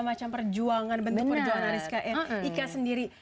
jadi itu seperti perjuangan bentuk perjuangan ariska ika sendiri